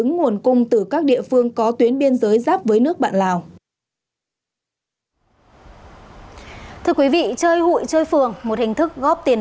nhưng tôi thì chỉ có nhỏ thôi tôi không có lớn